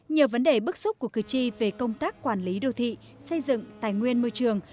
nhiều vấn đề bức xúc của cử tri về công tác quản lý đô thị xây dựng tài nguyên môi trường